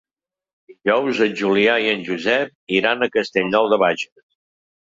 Dijous en Julià i en Josep iran a Castellnou de Bages.